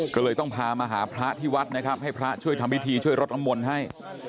ก็เลยต้องพามาหาพระที่วัดนะครับให้พระช่วยทำพิธีช่วยรดน้ำมนต์ให้